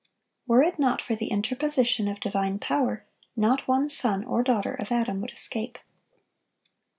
Were it not for the interposition of divine power, not one son or daughter of Adam would escape.